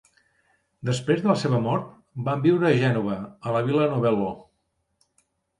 Després de la seva mort, van viure a Gènova, a la Vila Novello.